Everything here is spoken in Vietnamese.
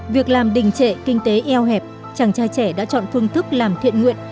việc làm đình trệ kinh tế eo hẹp chàng trai trẻ đã chọn phương thức làm thiện nguyện